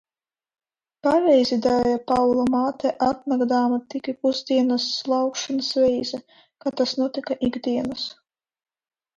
Pareizi darīja Paula māte atnākdama tikai pusdienas slaukšanas reizē, kā tas notika ik dienas.